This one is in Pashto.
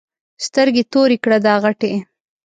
سترګې تورې کړه دا غټې.